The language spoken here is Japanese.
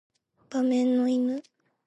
馬面の犬